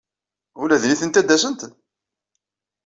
Ula d nitenti ad d-asent?